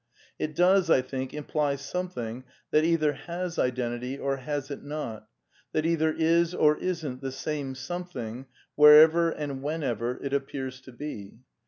It does, I think, imply someth^ that either has identity or has it not, that eithi is or isn't the same something wherever and whenever it appears to be.